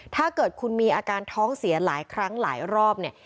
ถ้าเกิดคุณมีอาการท้องเสียหลายครั้งหลายรอบเนี่ย